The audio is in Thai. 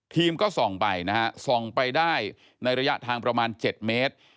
ก็ส่องไปนะฮะส่องไปได้ในระยะทางประมาณ๗เมตร